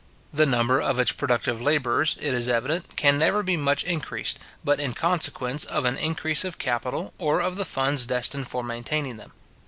The number of its productive labourers, it is evident, can never be much increased, but in consequence of an increase of capital, or of the funds destined for maintaining them.